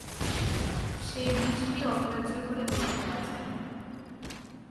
সেই বৃষ্টি অগ্রাহ্য করে বের হওয়া যায়।